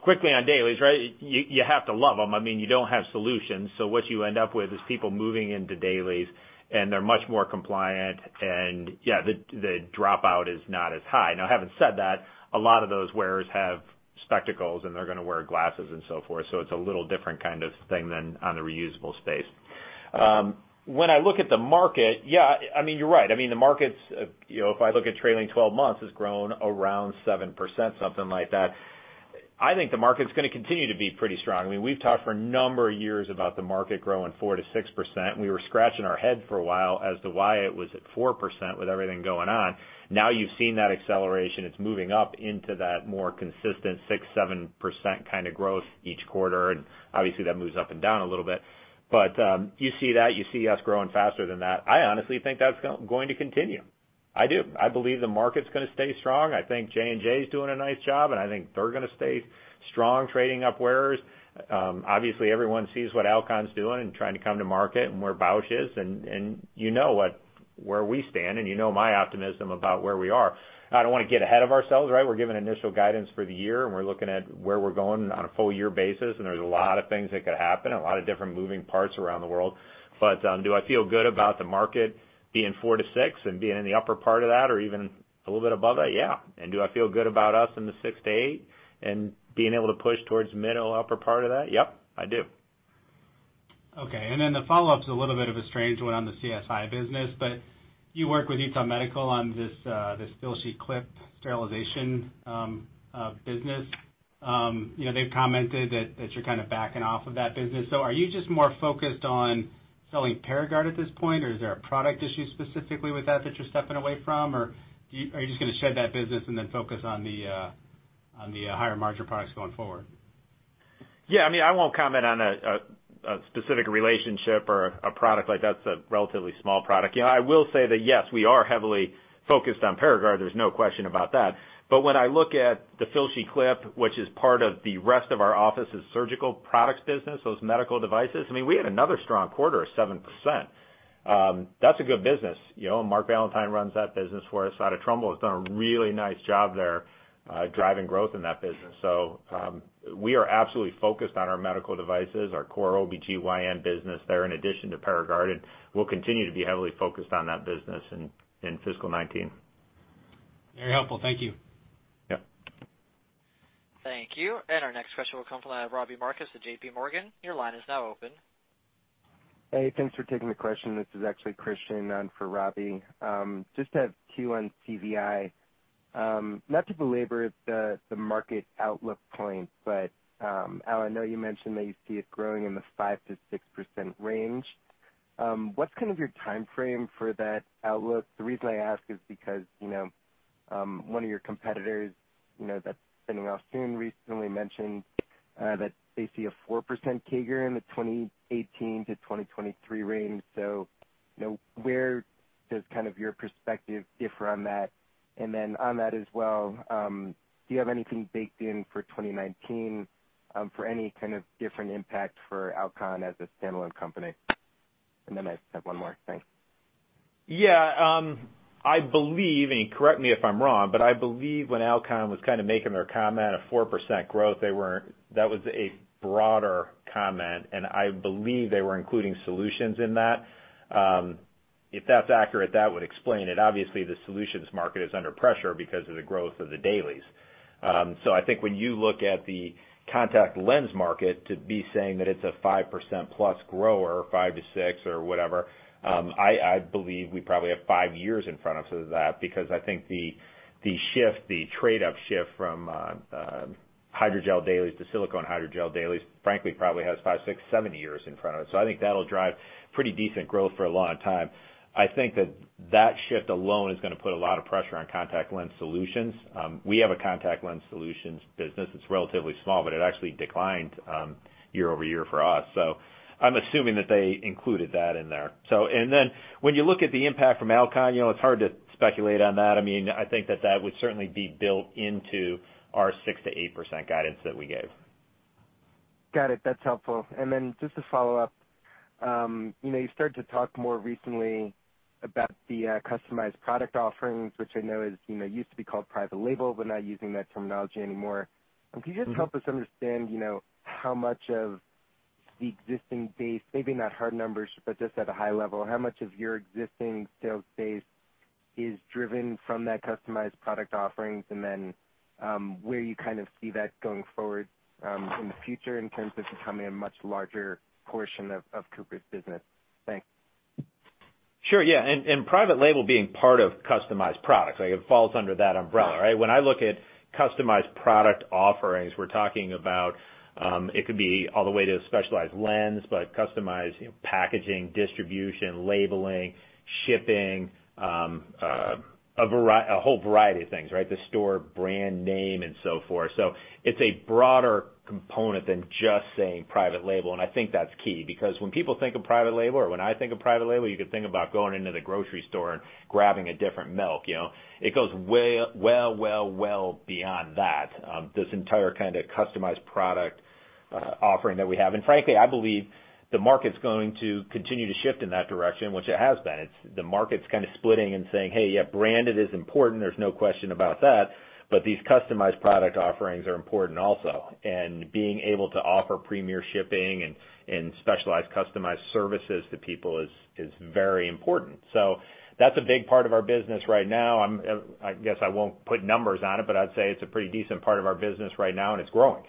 Quickly on dailies, right? You have to love them. You don't have solutions. What you end up with is people moving into dailies. They're much more compliant, and yeah, the dropout is not as high. Having said that, a lot of those wearers have spectacles, and they're going to wear glasses and so forth. It's a little different kind of thing than on the reusable space. When I look at the market, you're right. If I look at trailing 12 months, it's grown around 7%, something like that. I think the market's going to continue to be pretty strong. We've talked for a number of years about the market growing 4% to 6%. We were scratching our head for a while as to why it was at 4% with everything going on. You've seen that acceleration. It's moving up into that more consistent 6%, 7% kind of growth each quarter. Obviously that moves up and down a little bit. You see that, you see us growing faster than that. I honestly think that's going to continue. I do. I believe the market's going to stay strong. I think J&J's doing a nice job. I think they're going to stay strong, trading up wearers. Obviously, everyone sees what Alcon's doing and trying to come to market and where Bausch is. You know where we stand, and you know my optimism about where we are. I don't want to get ahead of ourselves. We're giving initial guidance for the year. We're looking at where we're going on a full-year basis, and there's a lot of things that could happen, a lot of different moving parts around the world. Do I feel good about the market being 4% to 6% and being in the upper part of that or even a little bit above it? Yeah. Do I feel good about us in the 6% to 8% and being able to push towards middle, upper part of that? Yep, I do. Okay. The follow-up's a little bit of a strange one on the CSI business. You work with Utah Medical on this Filshie Clip sterilization business. They've commented that you're kind of backing off of that business. Are you just more focused on selling Paragard at this point, or is there a product issue specifically with that you're stepping away from, or are you just going to shed that business and then focus on the higher-margin products going forward? Yeah, I won't comment on a specific relationship or a product like that. It's a relatively small product. I will say that yes, we are heavily focused on Paragard. There's no question about that. When I look at the Filshie Clip, which is part of the rest of our office surgical products business, those medical devices, we had another strong quarter of 7%. That's a good business. Mark Valentine runs that business for us out of Trumbull, has done a really nice job there driving growth in that business. We are absolutely focused on our medical devices, our core OBGYN business there, in addition to Paragard, and we'll continue to be heavily focused on that business in fiscal 2019. Very helpful. Thank you. Yep. Thank you. Our next question will come from Robbie Marcus with J.P. Morgan. Your line is now open. Hey, thanks for taking the question. This is actually Christian on for Robbie. Just have a few on CVI. Not to belabor the market outlook point, but Al, I know you mentioned that you see it growing in the 5%-6% range. What's kind of your timeframe for that outlook? The reason I ask is because, one of your competitors that's spinning off soon recently mentioned that they see a 4% CAGR in the 2018-2023 range. Where does your perspective differ on that? Then on that as well, do you have anything baked in for 2019 for any kind of different impact for Alcon as a standalone company? Then I just have one more. Thanks. Yeah. I believe, and correct me if I'm wrong, but I believe when Alcon was kind of making their comment of 4% growth, that was a broader comment, and I believe they were including solutions in that. If that's accurate, that would explain it. Obviously, the solutions market is under pressure because of the growth of the dailies. I think when you look at the contact lens market to be saying that it's a 5%+ grower, 5%-6% or whatever, I believe we probably have 5 years in front of that because I think the trade-up shift from hydrogel dailies to silicone hydrogel dailies, frankly, probably has 5, 6, 7 years in front of it. I think that'll drive pretty decent growth for a long time. I think that that shift alone is going to put a lot of pressure on contact lens solutions. We have a contact lens solutions business. It's relatively small, but it actually declined year-over-year for us. I'm assuming that they included that in there. When you look at the impact from Alcon, it's hard to speculate on that. I think that that would certainly be built into our 6%-8% guidance that we gave. Got it. That's helpful. Just to follow up, you started to talk more recently about the customized product offerings, which I know used to be called private label, but not using that terminology anymore. Can you just help us understand how much of the existing base, maybe not hard numbers, but just at a high level, how much of your existing sales base is driven from that customized product offerings? Where you kind of see that going forward in the future in terms of becoming a much larger portion of Cooper's business? Thanks. Sure. Yeah. Private label being part of customized products, it falls under that umbrella, right? When I look at customized product offerings, we're talking about, it could be all the way to a specialized lens, but customized packaging, distribution, labeling, shipping, a whole variety of things, right? The store brand name and so forth. It's a broader component than just saying private label, and I think that's key because when people think of private label, or when I think of private label, you could think about going into the grocery store and grabbing a different milk. It goes well beyond that, this entire kind of customized product offering that we have. Frankly, I believe the market's going to continue to shift in that direction, which it has been. The market's kind of splitting and saying, "Hey, yeah, branded is important. There's no question about that." These customized product offerings are important also. Being able to offer premier shipping and specialized customized services to people is very important. That's a big part of our business right now. I guess I won't put numbers on it, but I'd say it's a pretty decent part of our business right now, and it's growing.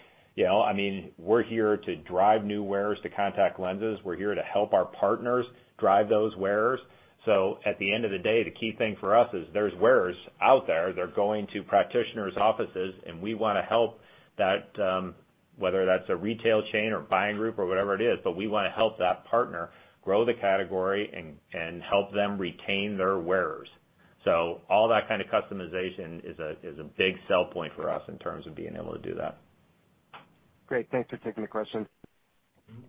We're here to drive new wearers to contact lenses. We're here to help our partners drive those wearers. At the end of the day, the key thing for us is there's wearers out there. They're going to practitioners' offices, and we want to help that, whether that's a retail chain or buying group or whatever it is, but we want to help that partner grow the category and help them retain their wearers. All that kind of customization is a big sell point for us in terms of being able to do that. Great. Thanks for taking the question. Thank you.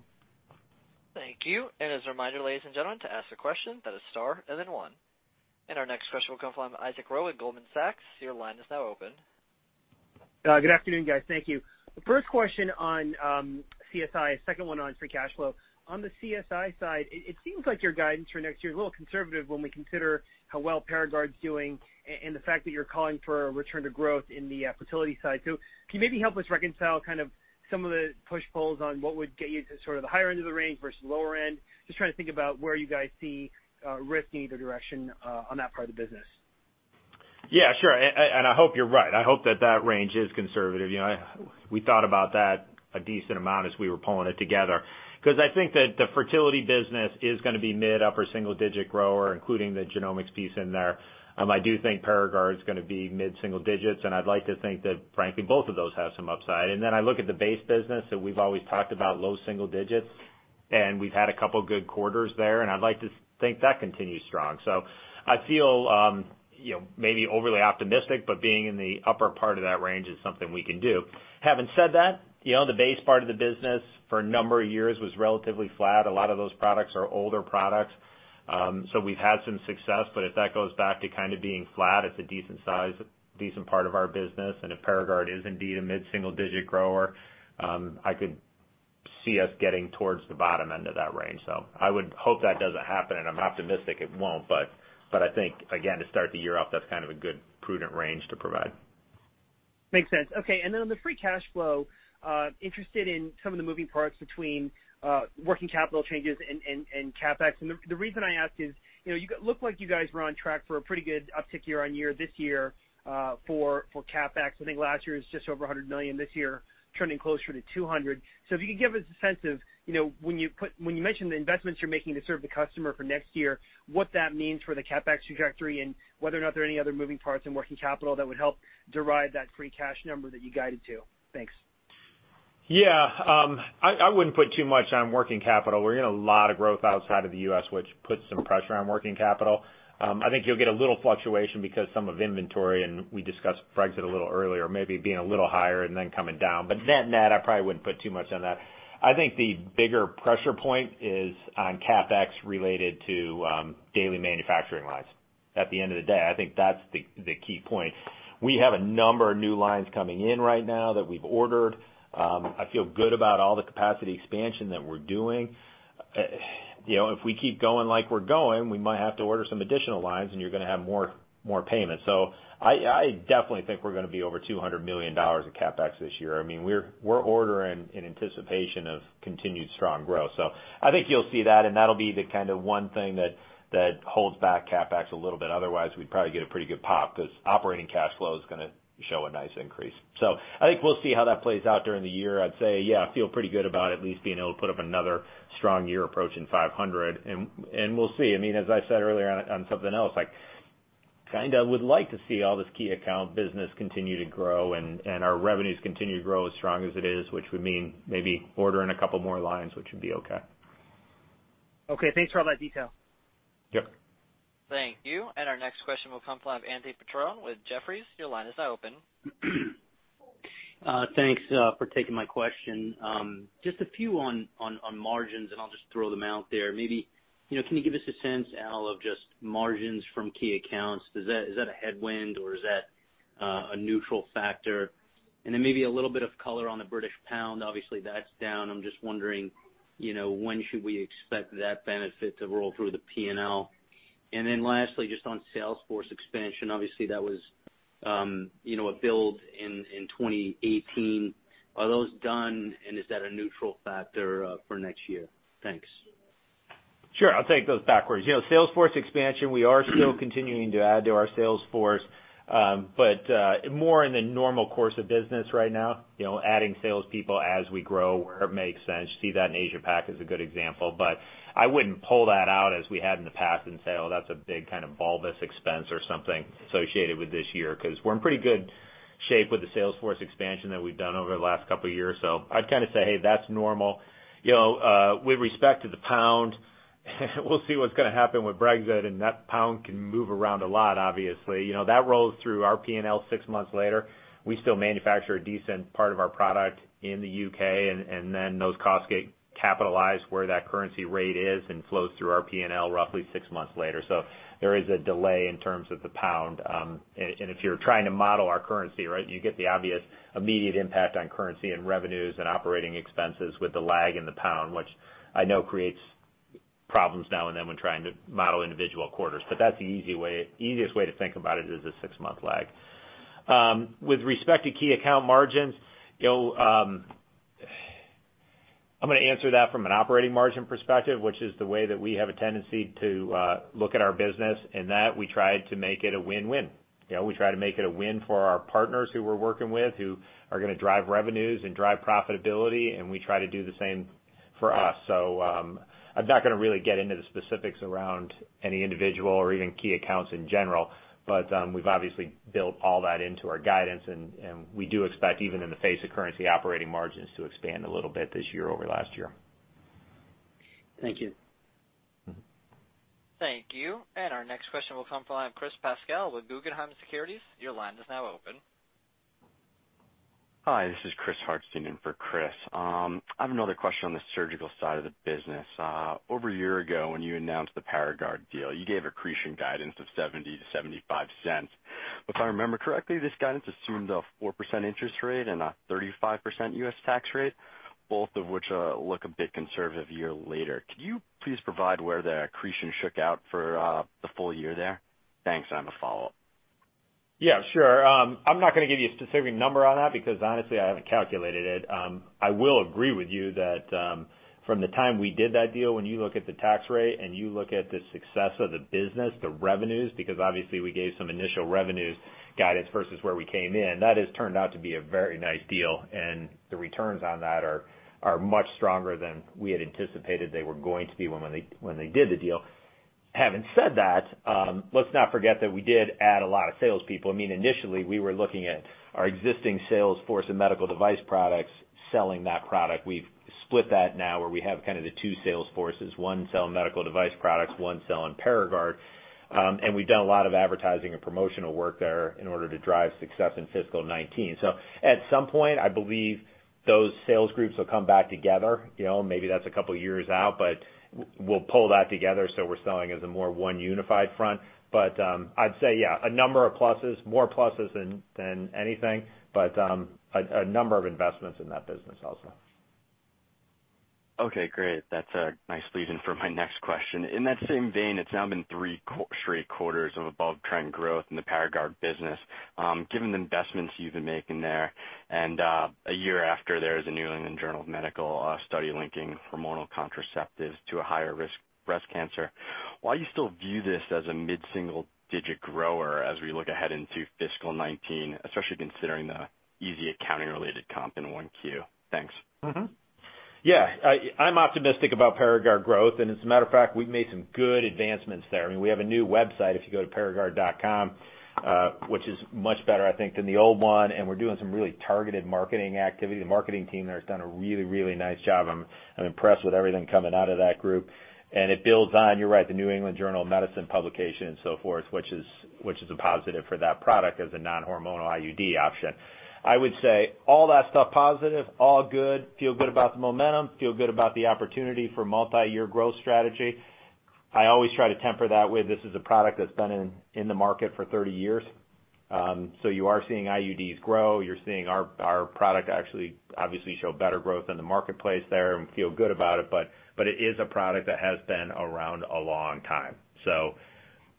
As a reminder, ladies and gentlemen, to ask a question that is star and then one. Our next question will come from Isaac Roe with Goldman Sachs. Your line is now open. Good afternoon, guys. Thank you. The first question on CSI, second one on free cash flow. On the CSI side, it seems like your guidance for next year is a little conservative when we consider how well Paragard is doing and the fact that you're calling for a return to growth in the fertility side. Can you maybe help us reconcile kind of some of the push-pulls on what would get you to sort of the higher end of the range versus lower end? Just trying to think about where you guys see risk in either direction on that part of the business. Yeah, sure. I hope you're right. I hope that that range is conservative. We thought about that a decent amount as we were pulling it together. I think that the fertility business is going to be mid-upper single-digit grower, including the genomics piece in there. I do think Paragard is going to be mid-single digits, and I'd like to think that, frankly, both of those have some upside. Then I look at the base business that we've always talked about low-single digits, and we've had a couple of good quarters there, and I'd like to think that continues strong. I feel maybe overly optimistic, but being in the upper part of that range is something we can do. Having said that, the base part of the business for a number of years was relatively flat. A lot of those products are older products. We've had some success, but if that goes back to kind of being flat, it's a decent size, decent part of our business. If Paragard is indeed a mid-single-digit grower, I could see us getting towards the bottom end of that range. I would hope that doesn't happen, and I'm optimistic it won't, but I think, again, to start the year off, that's kind of a good prudent range to provide. Makes sense. Okay, then on the free cash flow, interested in some of the moving parts between working capital changes and CapEx. The reason I ask is, it looked like you guys were on track for a pretty good uptick year-over-year this year for CapEx. I think last year it was just over $100 million, this year trending closer to $200 million. If you could give us a sense of when you mentioned the investments you're making to serve the customer for next year, what that means for the CapEx trajectory and whether or not there are any other moving parts in working capital that would help derive that free cash number that you guided to. Thanks. Yeah. I wouldn't put too much on working capital. We're getting a lot of growth outside of the U.S., which puts some pressure on working capital. I think you'll get a little fluctuation because some of inventory, and we discussed Brexit a little earlier, maybe being a little higher and then coming down. Net, I probably wouldn't put too much on that. I think the bigger pressure point is on CapEx related to daily manufacturing lines. At the end of the day, I think that's the key point. We have a number of new lines coming in right now that we've ordered. I feel good about all the capacity expansion that we're doing. If we keep going like we're going, we might have to order some additional lines and you're going to have more payments. I definitely think we're going to be over $200 million of CapEx this year. We're ordering in anticipation of continued strong growth. I think you'll see that, and that'll be the one thing that holds back CapEx a little bit. Otherwise, we'd probably get a pretty good pop because operating cash flow is going to show a nice increase. I think we'll see how that plays out during the year. I'd say, I feel pretty good about at least being able to put up another strong year approaching $500 million, and we'll see. As I said earlier on something else, I would like to see all this key account business continue to grow and our revenues continue to grow as strong as it is, which would mean maybe ordering a couple more lines, which would be okay. Okay. Thanks for all that detail. Yep. Thank you. Our next question will come from Andrew Peters with Jefferies. Your line is now open. Thanks for taking my question. Just a few on margins, I'll just throw them out there. Maybe, can you give us a sense, Al, of just margins from key accounts? Is that a headwind or is that a neutral factor? Then maybe a little bit of color on the British pound. Obviously, that's down. I'm just wondering when should we expect that benefit to roll through the P&L. Lastly, just on sales force expansion. Obviously, that was a build in 2018. Are those done and is that a neutral factor for next year? Thanks. Sure. I'll take those backwards. Sales force expansion, we are still continuing to add to our sales force, more in the normal course of business right now, adding sales people as we grow where it makes sense. You see that in Asia-Pac as a good example. I wouldn't pull that out as we had in the past and say, "Oh, that's a big kind of bulbous expense or something associated with this year." We're in pretty good shape with the sales force expansion that we've done over the last couple of years. I'd say, "Hey, that's normal." With respect to the pound, we'll see what's going to happen with Brexit, that pound can move around a lot, obviously. That rolls through our P&L six months later. We still manufacture a decent part of our product in the U.K., then those costs get capitalized where that currency rate is and flows through our P&L roughly six months later. There is a delay in terms of the pound. If you're trying to model our currency, you get the obvious immediate impact on currency and revenues and operating expenses with the lag in the pound, which I know creates problems now and then when trying to model individual quarters. That's the easiest way to think about it is the six-month lag. With respect to key account margins, I'm going to answer that from an operating margin perspective, which is the way that we have a tendency to look at our business, in that we try to make it a win-win. We try to make it a win for our partners who we're working with, who are going to drive revenues and drive profitability, and we try to do the same for us. I'm not going to really get into the specifics around any individual or even key accounts in general, but we've obviously built all that into our guidance, and we do expect, even in the face of currency operating margins, to expand a little bit this year over last year. Thank you. Thank you. Our next question will come from Chris Pasquale with Guggenheim Securities. Your line is now open. Hi, this is Chris Hartstein in for Chris. I have another question on the surgical side of the business. Over a year ago, when you announced the Paragard deal, you gave accretion guidance of $0.70-$0.75. If I remember correctly, this guidance assumed a 4% interest rate and a 35% U.S. tax rate, both of which look a bit conservative a year later. Could you please provide where the accretion shook out for the full year there? Thanks. I have a follow-up. Yeah, sure. I'm not going to give you a specific number on that because honestly, I haven't calculated it. I will agree with you that from the time we did that deal, when you look at the tax rate and you look at the success of the business, the revenues, because obviously we gave some initial revenues guidance versus where we came in, that has turned out to be a very nice deal and the returns on that are much stronger than we had anticipated they were going to be when they did the deal. Let's not forget that we did add a lot of salespeople. Initially, we were looking at our existing sales force and medical device products selling that product. We've split that now where we have kind of the two sales forces, one selling medical device products, one selling Paragard. We've done a lot of advertising and promotional work there in order to drive success in FY 2019. At some point, I believe those sales groups will come back together. Maybe that's a couple of years out, but we'll pull that together so we're selling as a more one unified front. I'd say, yeah, a number of pluses, more pluses than anything, but a number of investments in that business also. Okay, great. That's a nice lead-in for my next question. In that same vein, it's now been three straight quarters of above-trend growth in the Paragard business. Given the investments you've been making there and a year after there is a The New England Journal of Medicine study linking hormonal contraceptives to a higher risk breast cancer, why do you still view this as a mid-single digit grower as we look ahead into FY 2019, especially considering the easy accounting-related comp in 1Q? Thanks. Yeah, I'm optimistic about Paragard growth. As a matter of fact, we've made some good advancements there. We have a new website if you go to paragard.com, which is much better, I think, than the old one, and we're doing some really targeted marketing activity. The marketing team there has done a really, really nice job. I'm impressed with everything coming out of that group. It builds on, you're right, The New England Journal of Medicine publication and so forth, which is a positive for that product as a non-hormonal IUD option. I would say all that stuff positive, all good, feel good about the momentum, feel good about the opportunity for multi-year growth strategy. I always try to temper that with, this is a product that's been in the market for 30 years. You are seeing IUDs grow. You're seeing our product actually, obviously, show better growth in the marketplace there and feel good about it is a product that has been around a long time.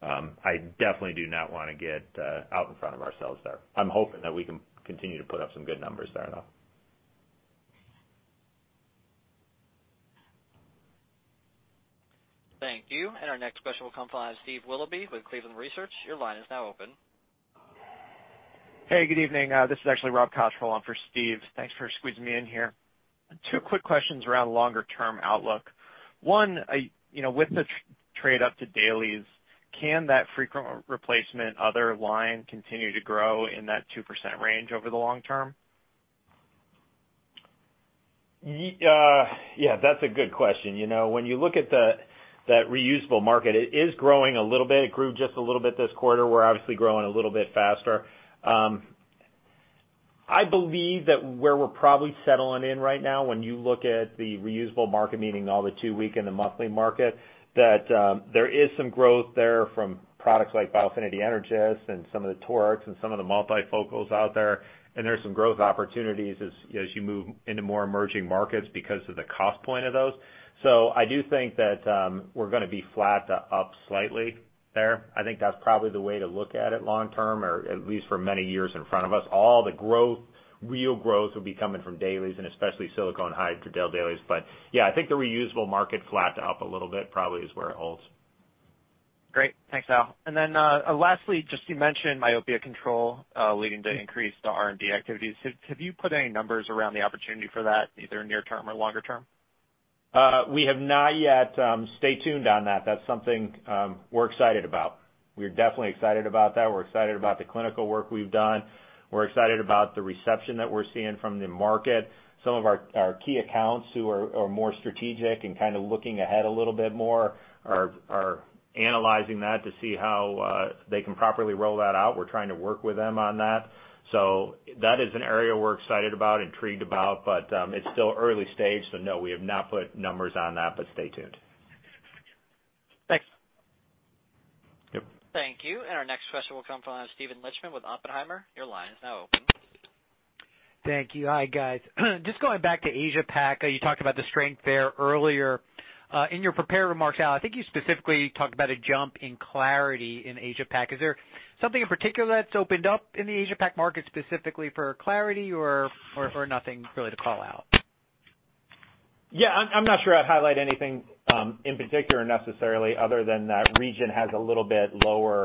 I definitely do not want to get out in front of ourselves there. I'm hoping that we can continue to put up some good numbers there, though. Thank you. Our next question will come from Steve Willoughby with Cleveland Research. Your line is now open. Hey, good evening. This is actually Rob Koch for Steve. Thanks for squeezing me in here. Two quick questions around longer-term outlook. One, with the trade up to dailies, can that frequent replacement other line continue to grow in that 2% range over the long term? Yeah, that's a good question. When you look at that reusable market, it is growing a little bit. It grew just a little bit this quarter. We're obviously growing a little bit faster. I believe that where we're probably settling in right now, when you look at the reusable market, meaning all the two-week and the monthly market, that there is some growth there from products like Biofinity Energys and some of the Torics and some of the multifocals out there. There's some growth opportunities as you move into more emerging markets because of the cost point of those. I do think that we're going to be flat to up slightly there. I think that's probably the way to look at it long term, or at least for many years in front of us. All the growth, real growth, will be coming from dailies, especially silicone hydrogel dailies. Yeah, I think the reusable market flat to up a little bit probably is where it holds. Great. Thanks, Al. Lastly, just you mentioned myopia control leading to increased R&D activities. Have you put any numbers around the opportunity for that, either near term or longer term? We have not yet. Stay tuned on that. That's something we're excited about. We're definitely excited about that. We're excited about the clinical work we've done. We're excited about the reception that we're seeing from the market. Some of our key accounts who are more strategic and kind of looking ahead a little bit more are analyzing that to see how they can properly roll that out. We're trying to work with them on that. That is an area we're excited about, intrigued about, it's still early stage. No, we have not put numbers on that, stay tuned. Thanks. Yep. Thank you. Our next question will come from Steven Lichtman with Oppenheimer. Your line is now open. Thank you. Hi, guys. Just going back to Asia Pac. You talked about the strength there earlier. In your prepared remarks, Al, I think you specifically talked about a jump in clariti in Asia Pac. Is there something in particular that's opened up in the Asia Pac market specifically for clariti or nothing really to call out? Yeah, I'm not sure I'd highlight anything in particular necessarily, other than that region has a little bit lower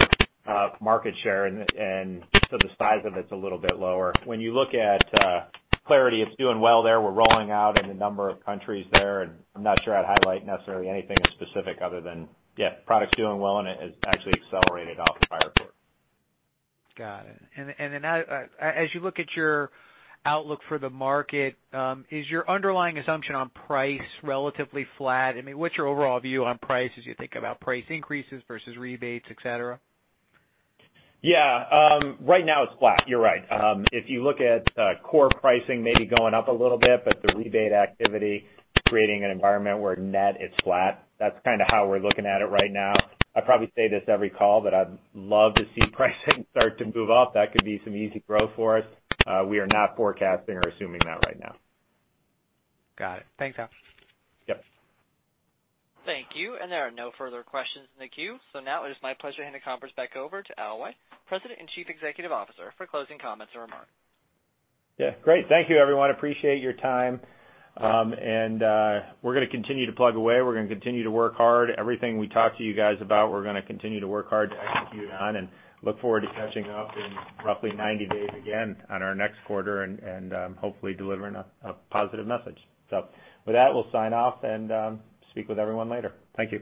market share, and so the size of it's a little bit lower. When you look at clariti, it's doing well there. We're rolling out in a number of countries there, and I'm not sure I'd highlight necessarily anything specific other than, yeah, product's doing well, and it actually accelerated off the prior quarter. Got it. Then as you look at your outlook for the market, is your underlying assumption on price relatively flat? What's your overall view on price as you think about price increases versus rebates, et cetera? Yeah. Right now it's flat. You're right. If you look at core pricing maybe going up a little bit, but the rebate activity creating an environment where net is flat. That's kind of how we're looking at it right now. I probably say this every call, but I'd love to see pricing start to move up. That could be some easy growth for us. We are not forecasting or assuming that right now. Got it. Thanks, Al. Yep. Thank you. There are no further questions in the queue, now it is my pleasure to hand the conference back over to Al White, President and Chief Executive Officer, for closing comments and remarks. Yeah, great. Thank you, everyone. Appreciate your time. We're going to continue to plug away. We're going to continue to work hard. Everything we talked to you guys about, we're going to continue to work hard to execute on and look forward to catching up in roughly 90 days again on our next quarter and hopefully delivering a positive message. With that, we'll sign off and speak with everyone later. Thank you.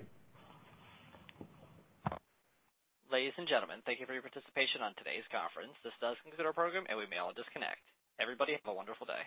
Ladies and gentlemen, thank you for your participation on today's conference. This does conclude our program, and we may all disconnect. Everybody, have a wonderful day.